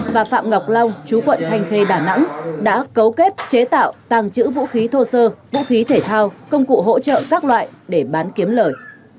và phạm ngọc long chú quận thanh khê đà nẵng đã cấu kết chế tạo tàng trữ vũ khí thô sơ vũ khí thể thao công cụ hỗ trợ các loại để bán kiếm lời